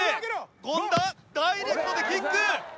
権田ダイレクトでキック！